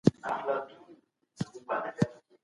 په روغتونونو کي ناروغانو ته وړیا درمل ورکول کيږي.